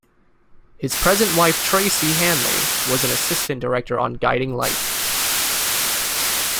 His present wife, Tracey Hanley, was an assistant director on "Guiding Light".